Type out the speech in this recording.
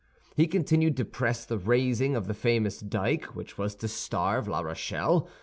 He continued to press the raising of the famous dyke which was to starve La Rochelle.